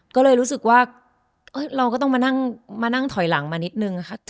ก็เลยรู้สึกว่าเราก็ต้องมานั่งถอยหลังมานิดนึงค่ะ